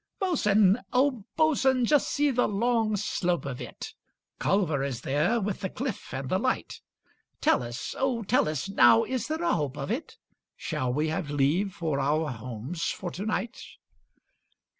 'Bo'sun, O Bo'sun, just see the long slope of it! Culver is there, with the cliff and the light. Tell us, oh tell us, now is there a hope of it? Shall we have leave for our homes for to night?